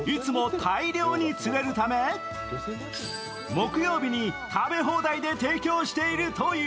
木曜日に食べ放題で提供しているという。